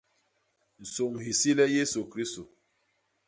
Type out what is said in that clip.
Nsôñ hisi le Yésu Kristô.